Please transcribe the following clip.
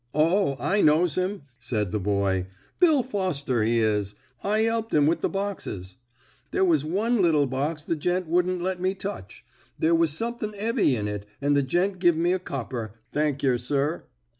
"O, I knows him," said the boy. "Bill Foster he is. I 'elped him up with the boxes. There was one little box the gent wouldn't let us touch. There was somethink 'eavy in it, and the gent give me a copper. Thank yer, sir."